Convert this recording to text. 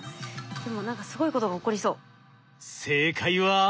でも何かすごいことが起こりそう。